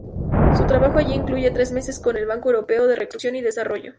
Su trabajo allí incluye tres meses con el Banco Europeo de Reconstrucción y Desarrollo.